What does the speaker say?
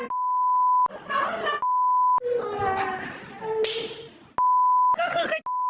อันนี้คือใคร